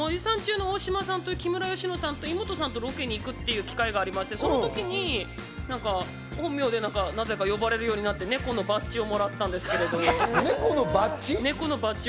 森三中の大島さんと木村さんとイモトさんとロケに行く機会がありまして、その時に本名でなぜか呼ばれるようになって、猫のバッジをもらったんです。